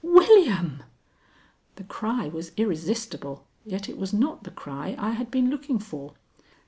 "William!" The cry was irresistible, yet it was not the cry I had been looking for.